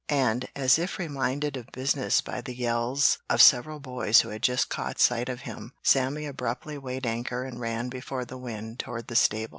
And, as if reminded of business by the yells of several boys who had just caught sight of him, Sammy abruptly weighed anchor and ran before the wind toward the stable.